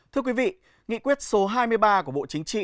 thưa quý vị nghị quyết số hai mươi ba của bộ chính trị